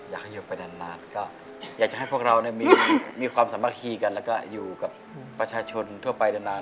อยากให้อยู่ไปนานก็อยากจะให้พวกเรามีความสามัคคีกันแล้วก็อยู่กับประชาชนทั่วไปนาน